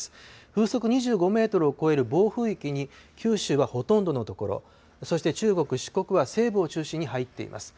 風速２５メートルを超える暴風域に九州はほとんどのところ、そして中国、四国は西部を中心に入っています。